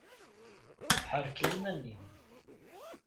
Ḥerkel iman-im!